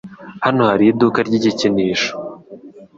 Hano hari iduka ry igikinisho.